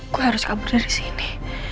kok harus kabur dari sini